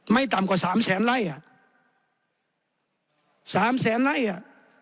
ต่ำกว่าสามแสนไล่อ่ะสามแสนไล่อ่ะ